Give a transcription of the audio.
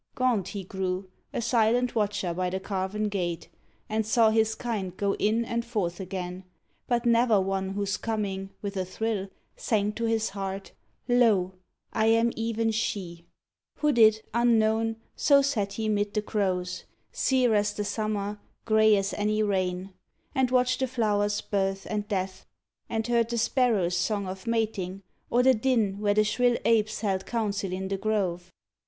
Gaunt he grew, A silent watcher by the carven gate, And saw his kind go in and forth again, But never one whose coming, with a thrill, Sang to his heart: "Lol I am even she I" Hooded, unknown, so sat he 'mid the crows — Sear as the summer, grey as any rain — And watched the flowers' birth and death, and heard The sparrows' song of mating, or the din Where the shrill apes held council in the grove.